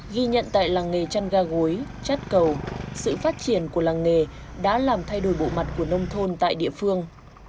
ghi nhận tại làng nghề trăn ga gối chát cầu sự phát triển của làng nghề đã làm thay đổi bộ mặt của nông thôn tại địa phương